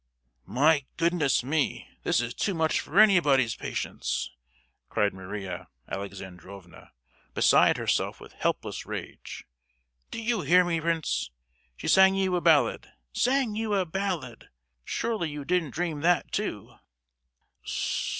"My goodness me! this is too much for anybody's patience!" cried Maria Alexandrovna, beside herself with helpless rage. "Do you hear me, Prince? She sang you a ballad—sang you a ballad! Surely you didn't dream that too?"